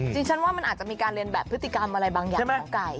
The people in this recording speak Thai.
ฉันว่ามันอาจจะมีการเรียนแบบพฤติกรรมอะไรบางอย่างหมอไก่